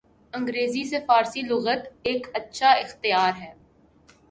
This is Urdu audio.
انگریزی سے فارسی لغت ایک اچھا اختیار ہے۔